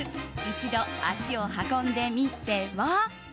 一度足を運んでみては？